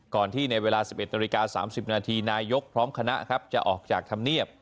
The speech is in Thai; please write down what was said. ที่ในเวลา๑๑นาฬิกา๓๐นาทีนายกพร้อมคณะครับจะออกจากธรรมเนียบ